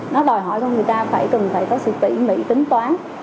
nó đòi hỏi thôi người ta phải cần phải có sự tỉ mỉ tính toán